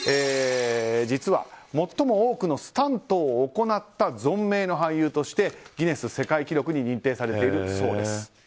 実は最も多くのスタントを行った存命の俳優としてギネス世界記録に認定されているそうです。